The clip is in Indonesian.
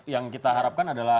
yang kita harapkan adalah